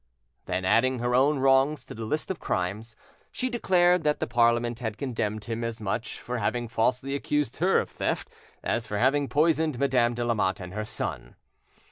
Then, adding her own wrongs to the list of crimes, she declared that the Parliament had condemned him as much for having falsely accused her of theft as for having poisoned Madame de Lamotte and her son!